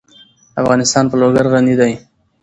افغانستان په لوگر غني دی.